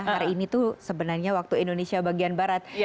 hari ini tuh sebenarnya waktu indonesia bagian barat